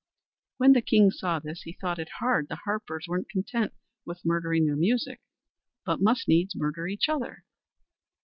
When the king saw this, he thought it hard the harpers weren't content with murdering their music, but must needs murder each other.